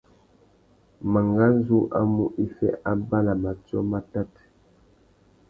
Mangazu a mú iffê abà na matiō matát.